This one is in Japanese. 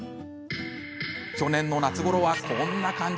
去年の夏ごろは、こんな感じ。